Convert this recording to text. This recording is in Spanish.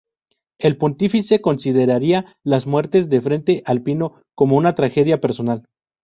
El pontífice consideraría las muertes del frente alpino como una tragedia personal.